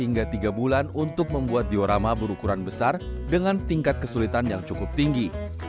sebagai penulis taufik membuat diorama berukuran besar dengan tingkat kesulitan yang cukup tinggi